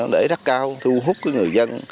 để rất cao thu hút người dân